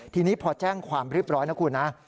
ทีนี้พอแจ้งความเรียบร้อยนะคุณนะ